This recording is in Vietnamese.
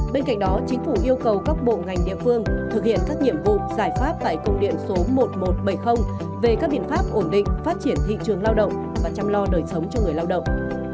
bên cạnh đó chính phủ yêu cầu các bộ ngành địa phương thực hiện các nhiệm vụ giải pháp tại công điện số một nghìn một trăm bảy mươi về các biện pháp ổn định phát triển thị trường lao động và chăm lo đời sống cho người lao động